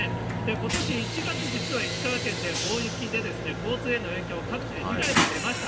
ことし１月、実は、石川県で大雪で交通への影響、各地で被害も出ました。